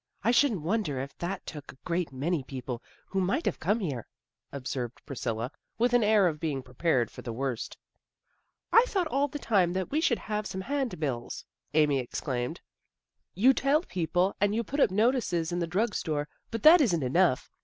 I shouldn't wonder if that took a great many people who might have come here," THE BAZAR 105 observed Priscilla, with an air of being prepared for the worst. " I thought all the time that we should have some hand bills," Amy exclaimed. " You tell people, and you put up notices in the drug store, but that isn't enough.